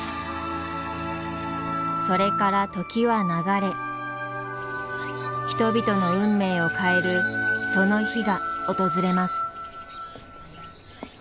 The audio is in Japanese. それから時は流れ人々の運命を変えるその日が訪れます。